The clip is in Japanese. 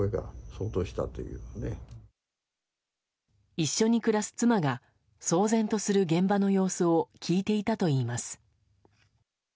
一緒に暮らす妻が騒然とする現場の様子を聞いていたといいます。